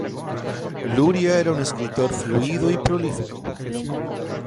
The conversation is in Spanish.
Luria era un escritor fluido y prolífico.